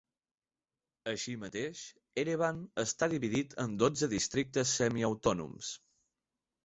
Així mateix, Erevan està dividit en dotze districtes semiautònoms.